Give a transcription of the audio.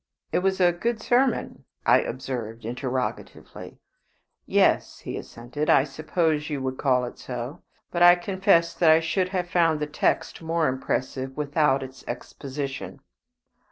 "It was a good sermon?" I observed, interrogatively. "Yes," he assented, "I suppose you would call it so; but I confess that I should have found the text more impressive without its exposition."